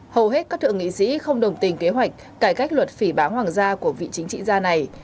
hầu hết các thượng nghị sĩ không đồng tình kế hoạch cải cách luật phỉ bán hoàng gia của vị chính trị gia này